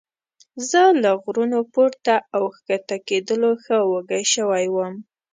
زه له غرونو پورته او ښکته کېدلو ښه وږی شوی وم.